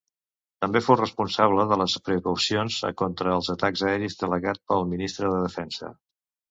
També fou responsable de les precaucions contra els atacs aeris, delegat pel Ministre de Defensa.